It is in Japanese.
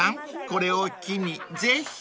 これを機にぜひ］